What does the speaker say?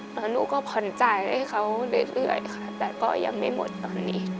แล้วหนูก็ผ่อนจ่ายให้เขาเรื่อยค่ะแต่ก็ยังไม่หมดตอนนี้